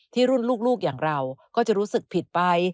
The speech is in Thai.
รุ่นลูกอย่างเราก็จะรู้สึกผิดไป